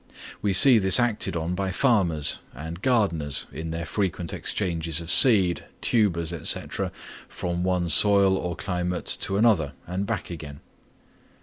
We see this acted on by farmers and gardeners in their frequent exchanges of seed, tubers, &c., from one soil or climate to another, and back again.